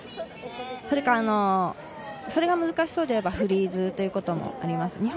それかそれが難しそうであればフリーズということもあります。